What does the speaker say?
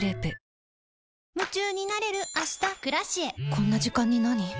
こんな時間になに？